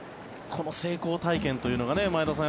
この成功体験というのが前田さん